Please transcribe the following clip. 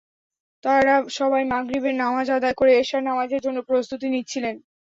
তাঁরা সবাই মাগরিবের নামাজ আদায় করে এশার নামাজের জন্য প্রস্তুতি নিচ্ছিলেন।